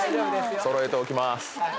揃えておきます。